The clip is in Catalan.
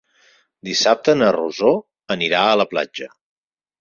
Dissabte na Rosó anirà a la platja.